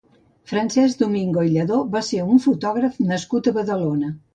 Francesc Domingo i Lladó va ser un fotògraf nascut a Badalona.